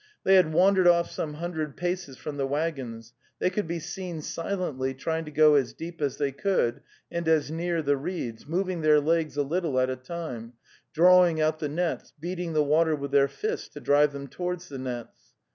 They had wandered off some hundred paces from the waggons; they could be seen silently trying to go as deep as they could and as near the reeds, moving their legs a little at a time, drawing out the nets, beating the water with their fists to drive them towards the nets.